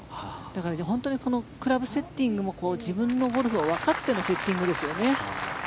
だから、本当にクラブセッティングも自分のゴルフをわかってのセッティングですよね。